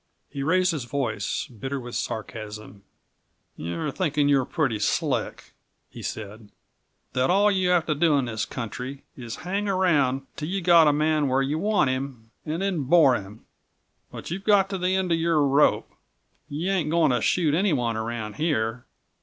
He raised his voice, bitter with sarcasm. "You're thinking that you're pretty slick," he said; "that all you have to do in this country is to hang around till you get a man where you want him and then bore him. But you've got to the end of your rope. You ain't going to shoot anyone around here.